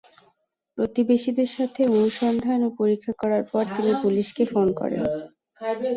প্রতিবেশীদের সাথে অনুসন্ধান ও পরীক্ষা করার পর তিনি পুলিশকে ফোন করেন।